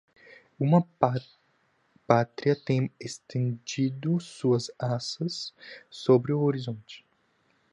Uma Pátria tem estendido suas asas sobre o horizonte